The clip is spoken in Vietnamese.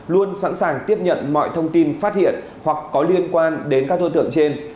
luôn sẵn sàng tiếp nhận mọi thông tin phát hiện hoặc có liên quan đến các đối tượng trên